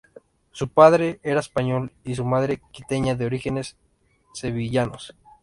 Su padre era español y su madre quiteña de orígenes sevillanos.